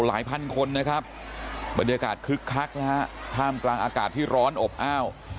พันคนนะครับบรรยากาศคึกคักนะฮะท่ามกลางอากาศที่ร้อนอบอ้าว